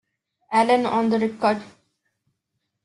Allin on the record.